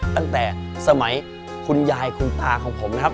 ตั้งแต่สมัยคุณยายคุณตาของผมนะครับ